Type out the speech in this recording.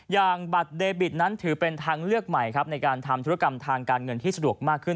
อย่างบัตรเดบิตนั้นถือเป็นทางเลือกใหม่ครับในการทำธุรกรรมทางการเงินที่สะดวกมากขึ้น